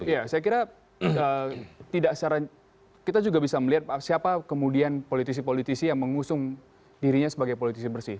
ya saya kira tidak secara kita juga bisa melihat siapa kemudian politisi politisi yang mengusung dirinya sebagai politisi bersih